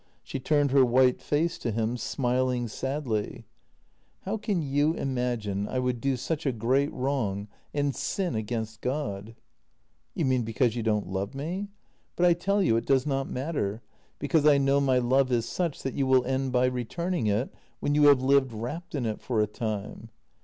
She turned her white face to him, smiling sadly: 278 JENNY " How can you imagine I would do such a great wrong, and sin against God ?" "You mean because you don't love me? But I tell you it does not matter, because I know my love is such that you will end by returning it, when you have lived wrapped in it for a time."